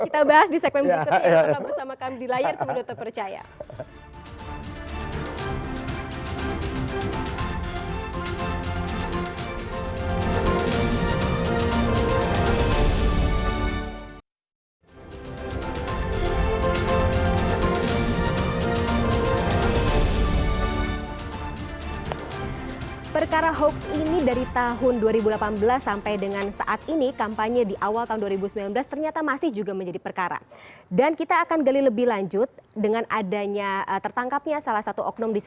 tadi kita kan beritikan dia berisi yang padi